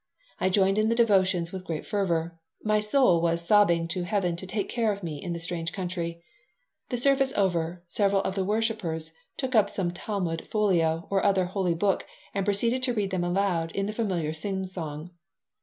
I joined in the devotions with great fervor. My soul was sobbing to Heaven to take care of me in the strange country The service over, several of the worshipers took up some Talmud folio or other holy book and proceeded to read them aloud in the familiar singsong.